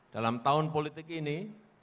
dalam tahun politik ini